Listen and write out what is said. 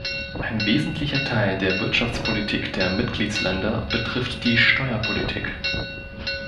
Ein wesentlicher Teil der Wirtschaftspolitik der Mitgliedsländer betrifft die Steuerpolitik.